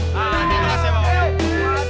nah deh makasih ya pak